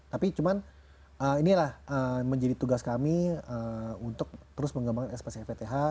tapi cuman inilah menjadi tugas kami untuk terus mengembangkan ekspresi fth